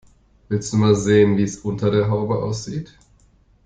Willst du mal sehen, wie es unter der Haube aussieht?